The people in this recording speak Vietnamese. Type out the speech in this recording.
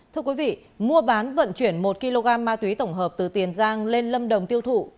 thưa quý vị mua bán vận chuyển một kg ma túy tổng hợp từ tiền giang lên lâm đồng tiêu thụ